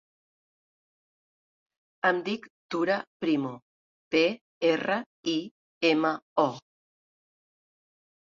Em dic Tura Primo: pe, erra, i, ema, o.